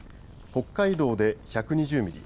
北海道で１２０ミリ